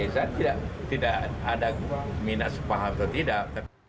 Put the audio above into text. saya tidak ada minat sepaham atau tidak